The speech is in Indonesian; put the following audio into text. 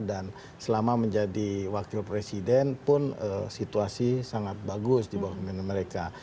dan selama menjadi wakil presiden pun situasi sangat bagus di bawah kemenin mereka